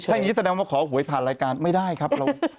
อย่างนี้แสดงว่าขอหวยผ่านรายการไม่ได้ครับ